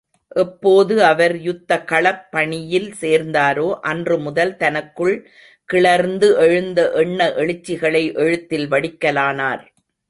எப்போது அவர் யுத்தகளப் பணியில் சேர்ந்தாரோ, அன்று முதல் தனக்குள் கிளர்ந்து எழுந்த எண்ண எழுச்சிகளை எழுத்தில் வடிக்கலானார்.